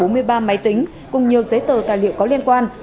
bốn mươi ba máy tính cùng nhiều giấy tờ tài liệu có liên quan